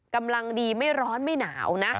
กำลังดีไม่ร้อนไม่หนาวนะ